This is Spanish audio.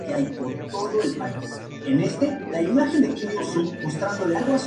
La respuesta fue sencilla: Ninguna.